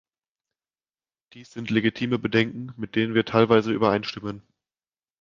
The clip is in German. Dies sind legitime Bedenken, mit denen wir teilweise übereinstimmen.